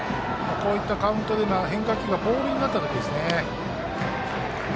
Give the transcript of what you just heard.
こういったカウントで変化球がボールになった時ですよね。